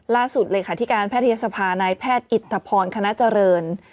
ล่าสุดเลขาธิการแพทยศภานายแพทย์อิทธพรคณะเจริญ